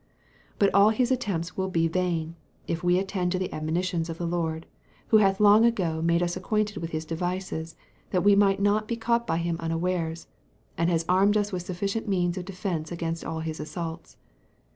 But all his attempts will be vain, if we attend to the admonitions of the Lord, who hath long ago made us acquainted with his devices, that we might not be caught by him unawares, and has armed us with sufficient means of defence against all his assaults.